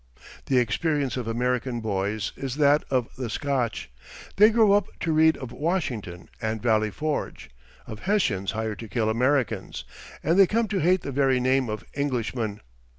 The experience of American boys is that of the Scotch. They grow up to read of Washington and Valley Forge, of Hessians hired to kill Americans, and they come to hate the very name of Englishman.